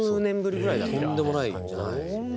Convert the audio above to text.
とんでもない感じなんですね。